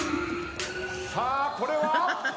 さあこれは。